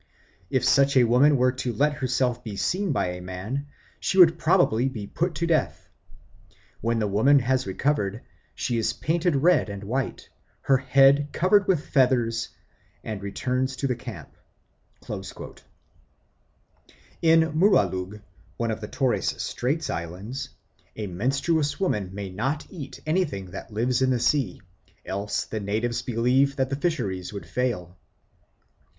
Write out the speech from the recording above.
If such a woman were to let herself be seen by a man, she would probably be put to death. When the woman has recovered, she is painted red and white, her head covered with feathers, and returns to the camp." In Muralug, one of the Torres Straits Islands, a menstruous woman may not eat anything that lives in the sea, else the natives believe that the fisheries would fail.